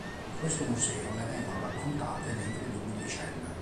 In questo Museo ne vengono raccontate le incredibili vicende.